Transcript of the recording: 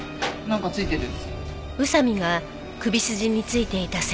なんか付いてる？